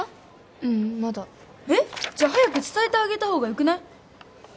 ううんまだじゃあ早く伝えてあげた方がよくない？